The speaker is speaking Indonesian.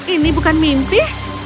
ini bukan mimpi